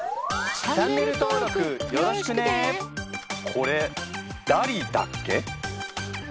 これダリだっけ？